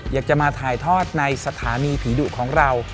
อยากจะมาถ่ายทอดในสถานีผีดุของเรา